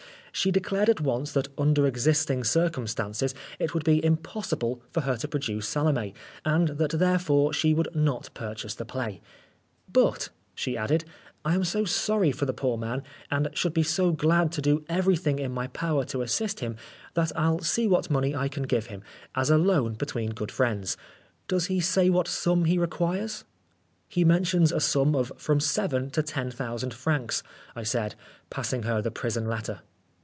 She declared at once that under existing circumstances it would be impossible for her to produce Salomg, and that therefore she would not purchase the play. " But," she added, " I am so sorry for the poor man, and should be so glad to do every thing in my power to assist him, that I'll see what money I can give him, as a loan between good friends. Does he say what sum he requires ?" "He mentions a sum of from seven to ten thousand francs," I said, passing her the prison letter.